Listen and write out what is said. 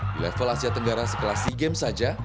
di level asia tenggara sekelas sea games saja